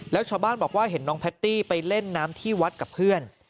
แล้วชาวบ้านบอกว่าเห็นน้องแพตตี้ไปเล่นน้ำที่วัดกับเพื่อน